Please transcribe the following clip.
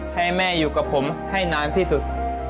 ให้แม่อยู่กับผมให้นานที่สุด